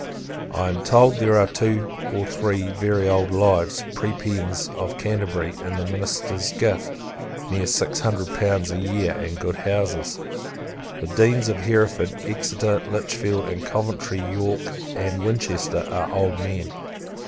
I am told, there are two or three very old lives, Prebends of Canterbury, in the Minister's gift near six hundred pounds a year, and good houses. The Deans of Hereford, Exeter, Litchfield and Coventry, York, and Winchester, are old men.